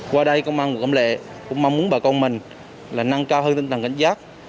qua đây công an quận cẩm lệ cũng mong muốn bà con mình là nâng cao hơn tinh thần cảnh giác